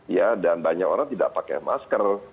ya dan banyak orang tidak pakai masker